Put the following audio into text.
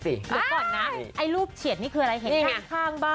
เดี๋ยวก่อนนะไอ้รูปเฉียดนี่คืออะไรเห็นไหมคะข้างบ้าน